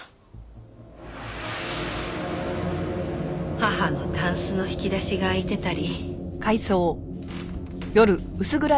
義母のたんすの引き出しが開いてたり。